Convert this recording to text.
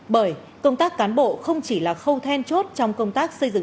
bởi công tác cán bộ không chỉ là khâu then chốt